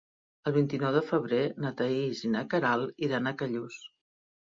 El vint-i-nou de febrer na Thaís i na Queralt iran a Callús.